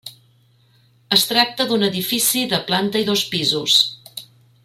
Es tracta d'un edifici de planta i dos pisos.